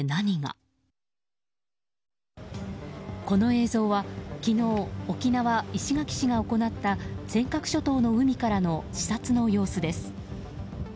この映像は昨日、沖縄・石垣市が行った尖閣諸島の海からの視察の様子です。